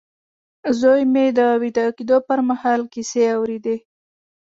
زوی مې د ويده کېدو پر مهال کيسې اورېدې.